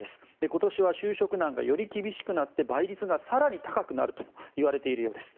今年は就職難がより厳しくなって倍率が更に高くなるといわれているようです。